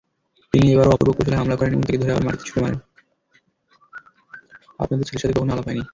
আপনাদের ছেলের সাথে কখনো আলাপ হয় নি।